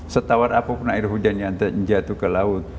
setawar apapun air hujan yang jatuh ke laut